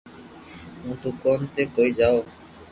ھون دوڪون تي ڪوئي جاو